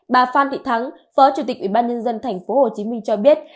bà phan thị thắng phó chủ tịch ủy ban nhân dân tp hcm cho biết